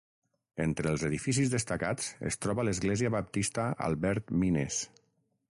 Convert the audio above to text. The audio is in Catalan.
Entre els edificis destacats es troba l'Església Baptista Albert Mines.